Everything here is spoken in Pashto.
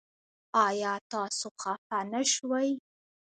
ایا تاسو خفه نه شوئ؟